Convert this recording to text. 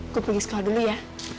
aku pergi sekolah dulu ya